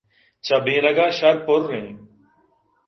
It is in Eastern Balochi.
چہ بیٛنگ ءَ شرپُرّیں